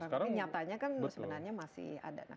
karena nyatanya kan sebenarnya masih ada